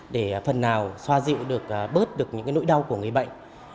để phần nào xoa dịu được bớt được những nỗi đau của người bệnh